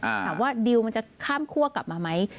แต่ว่าดีลมันจะข้ามขั้วกลับมาไหม